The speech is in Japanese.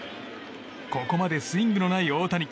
ここまでスイングのない大谷。